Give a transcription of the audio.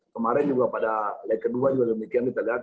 kemarin juga pada leg kedua juga demikian kita lihat